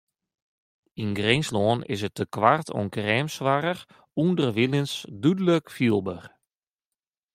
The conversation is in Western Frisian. Yn Grinslân is it tekoart oan kreamsoarch ûnderwilens dúdlik fielber.